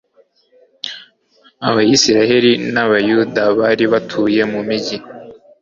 Abisirayeli n Abayuda bari batuye mu migi